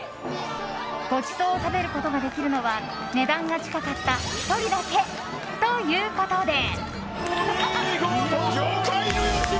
ごちそうを食べることができるのは値段が近かった１人だけということで。